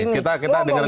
kita dengar dulu